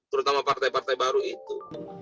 terutama partai partai baru itu